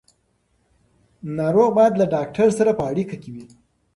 ناروغ باید له ډاکټر سره په اړیکه وي.